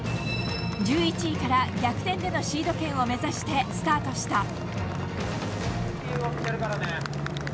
１１位から逆転でのシード権を目指してスタートした。